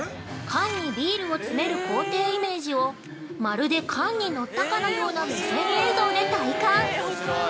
◆缶にビールを詰める工程イメージを、まるで缶に乗ったかのような目線映像で体感！